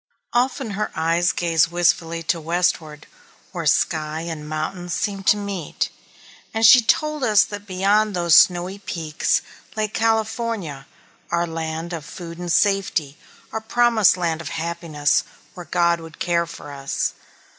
Often her eyes gazed wistfully to westward, where sky and mountains seemed to meet, and she told us that beyond those snowy peaks lay California, our land of food and safety, our promised land of happiness, where God would care for us.